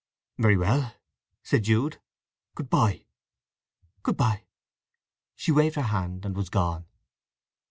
"Very well," said Jude. "Good bye!" "Good bye!" She waved her hand and was gone.